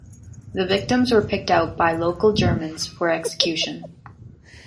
The victims were picked out by local Germans for execution.